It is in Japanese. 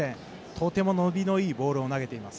とても伸びのいいボールを投げています。